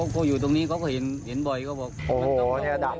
ก็อยู่ตรงนี้ก็เห็นบ่อยก็บอก